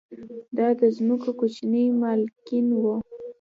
دا د ځمکو کوچني مالکین وو